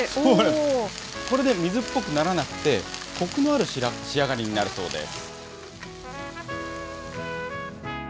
これで水っぽくならなくて、こくのある仕上がりになるそうです。